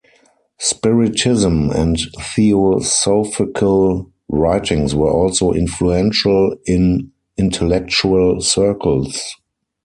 Spiritism and theosophical writings were also influential in intellectual circles.